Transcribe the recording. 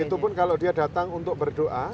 dan itu pun kalau dia datang untuk berdoa